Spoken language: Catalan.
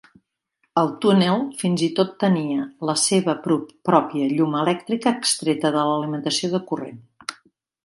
El túnel fins i tot tenia les seva pròpia llum elèctrica, extreta de l'alimentació de corrent.